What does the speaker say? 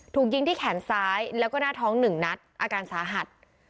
ถูกยิงที่แขนซ้ายแล้วก็หน้าท้อง๑นัดอาการสาหัส